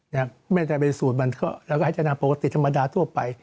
ไม่ได้ตั้งใจไปสูดมันก็เราก็ให้จะทำปกติธรรมดาทั่วไป